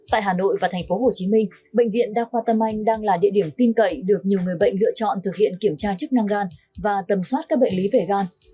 tại hà nội và tp hcm bệnh viện đa khoa tâm anh đang là địa điểm tin cậy được nhiều người bệnh lựa chọn thực hiện kiểm tra chức năng gan và tầm soát các bệnh lý về gan